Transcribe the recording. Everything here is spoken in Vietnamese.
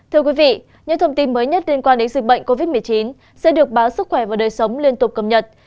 thưa quý vị những thông tin mới nhất liên quan đến dịch bệnh covid một mươi chín sẽ được báo sức khỏe và đời sống liên tục cập nhật